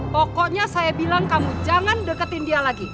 pokoknya saya bilang kamu jangan deketin dia lagi